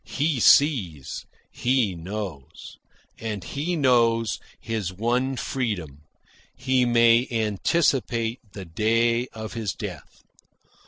He sees; he knows. And he knows his one freedom: he may anticipate the day of his death.